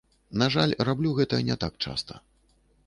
На жаль, раблю гэта не так часта.